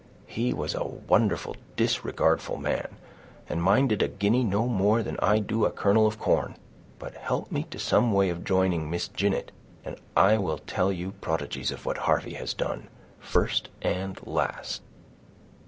"He was a wonderful disregardful man, and minded a guinea no more than I do a kernel of corn. But help me to some way of joining Miss Jinitt, and I will tell you prodigies of what Harvey has done, first and last."